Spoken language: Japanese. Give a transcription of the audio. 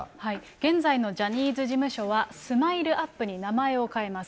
現在のジャニーズ事務所は、スマイルアップに名前を変えます。